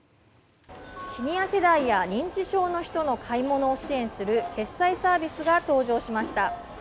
シニア世代や認知症の人の買い物を支援する決済サービスが登場しました。